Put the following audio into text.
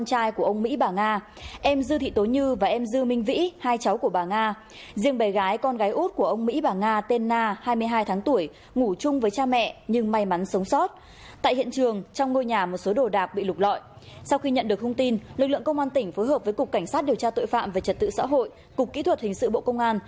sau khi nhận được thông tin lực lượng công an tỉnh phối hợp với cục cảnh sát điều tra tội phạm về trật tự xã hội cục kỹ thuật hình sự bộ công an